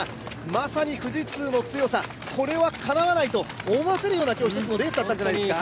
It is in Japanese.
まさに富士通の強さ、これはかなわないと思わせるようなレースだったんじゃないですか。